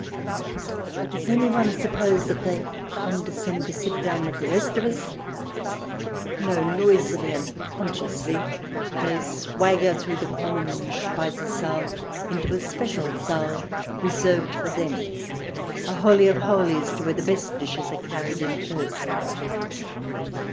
But does anyone sup pose that they condescend to sit down with the rest of us ? No, noisily and consciously* they swagger through the common Speisesaal into a special Saal reserved for them — a holy of holies to where the best dishes are carried in first.